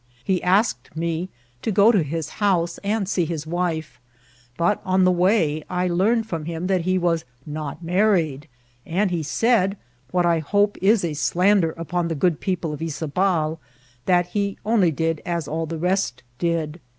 He asked me to go to his house and see his wife, but on the way I learned from him that he was not married ; and he said, what I hope is a slander upon the good people of Yzabal, that he only did as all the rest did.